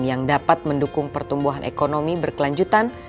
yang dapat mendukung pertumbuhan ekonomi berkelanjutan